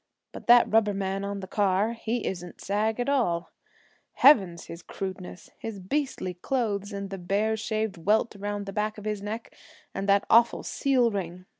But that rubber man on the car he isn't sag at all. Heavens, his crudeness! His beastly clothes, and the bare shaved welt around the back of his neck, and that awful seal ring!